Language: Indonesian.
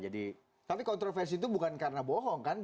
tapi kontroversi itu bukan karena bohong kan